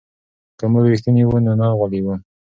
که موږ رښتیني وو نو نه غولېږو.